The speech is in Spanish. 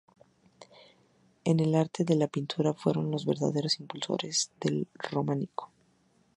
En el arte de la pintura fueron los verdaderos impulsores del románico.